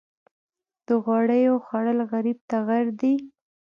د غوړیو خوړل غریب ته غر دي.